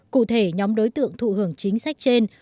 cụ thể nhóm đối tượng thụ hưởng chính sách trên